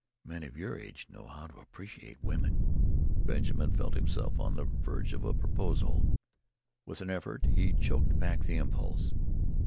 Men of your age know how to appreciate women." Benjamin felt himself on the verge of a proposal with an effort he choked back the impulse.